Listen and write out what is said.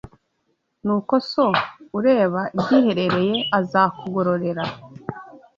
Nuko So ureba ibyiherereye azakugororera